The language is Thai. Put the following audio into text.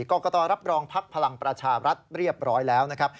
กรกตรับรองพักพลังประชารัฐเรียบร้อยแล้วนะครับ